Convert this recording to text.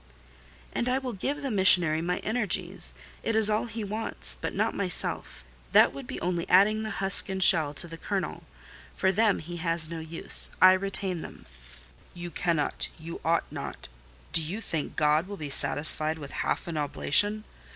"And I will give the missionary my energies—it is all he wants—but not myself: that would be only adding the husk and shell to the kernel. For them he has no use: I retain them." "You cannot—you ought not. Do you think God will be satisfied with half an oblation?